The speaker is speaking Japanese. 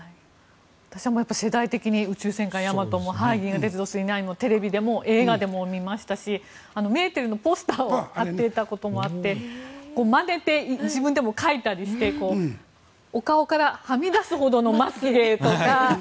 私も世代的に「宇宙戦艦ヤマト」も「銀河鉄道９９９」もテレビでも映画でも見ましたしメーテルのポスターを貼っていたこともあってまねて自分でも描いたりしてお顔からはみ出すほどのまつげとか。